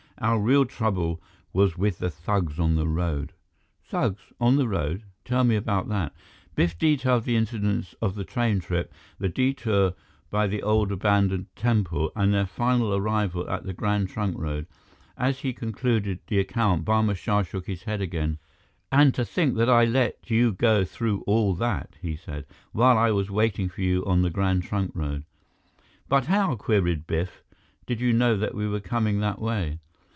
Our real trouble was with the thugs on the road." "Thugs? On the road? Tell me about that." Biff detailed the incidents of the train trip, the detour by the old abandoned temple, and their final arrival on the Grand Trunk Road. As he concluded the account, Barma Shah shook his head again. "And to think that I let you go through all that," he said, "while I was waiting for you on the Grand Trunk Road." "But how," queried Biff, "did you know that we were coming that way?"